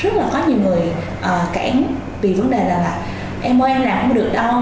rất là có nhiều người cản vì vấn đề là là em mua em nào cũng được đâu